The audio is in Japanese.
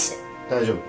大丈夫。